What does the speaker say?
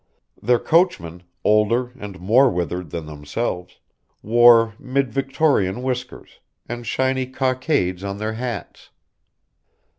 Their coachmen, older and more withered than themselves, wore mid Victorian whiskers, and shiny cockades on their hats.